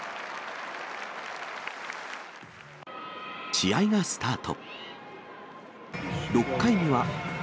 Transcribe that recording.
試合がスタート。